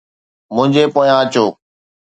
منهنجي پويان اچو